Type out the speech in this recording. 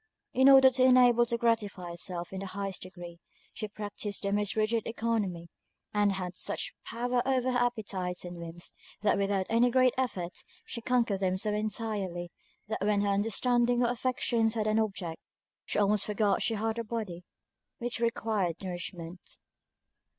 In order to be enabled to gratify herself in the highest degree, she practiced the most rigid oeconomy, and had such power over her appetites and whims, that without any great effort she conquered them so entirely, that when her understanding or affections had an object, she almost forgot she had a body which required nourishment.